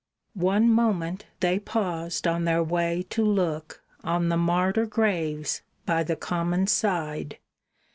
One moment they paused on their way to look On the martyr graves by the Common side.